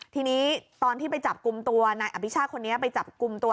ทีนี้ตอนที่ไปจับกลุ่มตัวนายอภิชาคนนี้ไปจับกลุ่มตัว